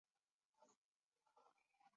也是诚道塾空手道的创办者。